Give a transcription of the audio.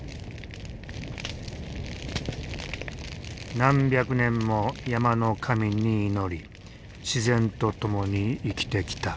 何百年も山の神に祈り自然と共に生きてきた。